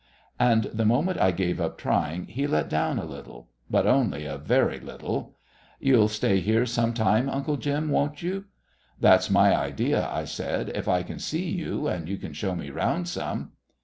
And the moment I gave up trying he let down a little but only a very little. "You'll stay here some time, Uncle Jim, won't you?" "That's my idea," I said, "if I can see you, and you can show me round some."